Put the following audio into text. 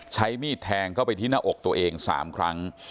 ใช้มีดแทงเข้าไปที่หน้าอกตัวเอง๓ครั้ง